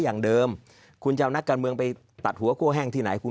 อย่างเดิมคุณจะเอานักการเมืองไปตัดหัวคั่วแห้งที่ไหนคุณ